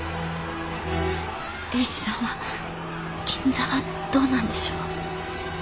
英治さんは銀座はどうなんでしょう。